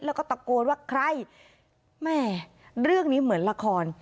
แล้วก็ตะโกนว่าใครแม่เรื่องนี้เหมือนละคร